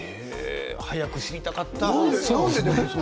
早く知りたかった。